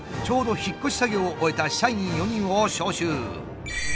ちょうど引っ越し作業を終えた社員４人を招集。